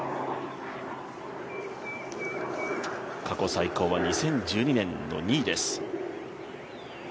過去最高は２０１２年の２位です。